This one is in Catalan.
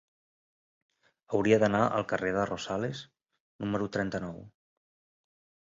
Hauria d'anar al carrer de Rosales número trenta-nou.